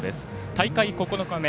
大会９日目